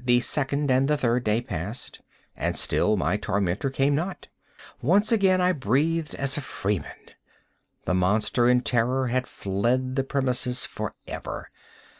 The second and the third day passed, and still my tormentor came not. Once again I breathed as a freeman. The monster, in terror, had fled the premises forever!